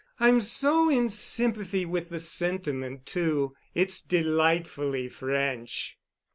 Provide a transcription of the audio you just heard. I'm so in sympathy with the sentiment, too. It's delightfully French."